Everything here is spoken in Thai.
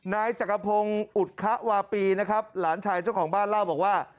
นายจักรพงศ์อุทควาปีนะครับหลานชายเจ้าของบ้านเล่าบอกว่า